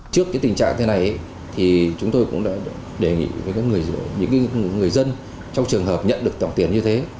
trước cái tình trạng thế này thì chúng tôi cũng đã đề nghị với những người dân trong trường hợp nhận được tổng tiền như thế